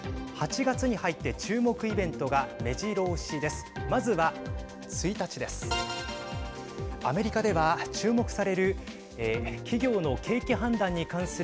８月に入って注目イベントがめじろ押しです。